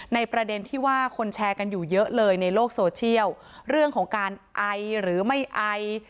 ประเด็นที่ว่าคนแชร์กันอยู่เยอะเลยในโลกโซเชียลเรื่องของการไอหรือไม่ไอ